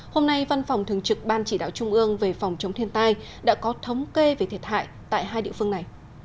hôm nay văn phòng thường trực ban chỉ đạo trung ương về phòng chống thiên tai đã có thống kê về thiệt hại tại hai địa phương này